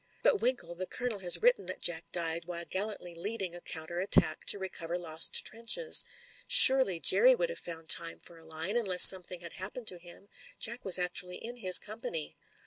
"But, Winkle, the Colonel has written that Jack died while gallantly leading a counter attack to recover lost trenches. Surely, Jerry would have found time for a line, unless something had happened to him; Jack was actually in his company."